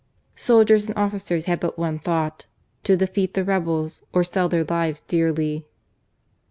Soldiers and officers had but one thought, to defeat the rebels or sell their lives dearly.